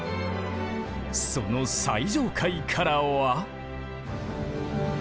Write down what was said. その最上階からは。